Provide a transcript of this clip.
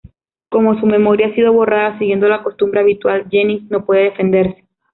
Como su memoria ha sido borrada siguiendo la costumbre habitual, Jennings no puede defenderse.